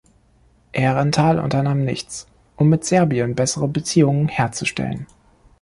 Aehrenthal unternahm nichts, um mit Serbien bessere Beziehungen herzustellen.